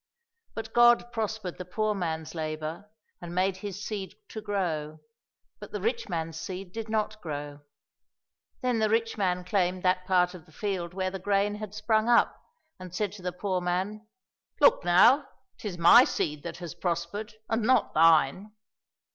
But God prospered the poor man's labour and made his seed to grow, but the rich man's seed did not grow. Then the rich man claimed that part of the field where the grain had sprung up, and said to the poor man, '* Look now ! 'tis my seed that has prospered, and not thine